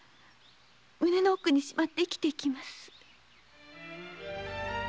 胸の奥にしまって生きていきます。